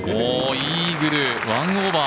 イーグル、１オーバー。